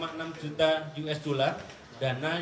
dana yang ada di ho chi minh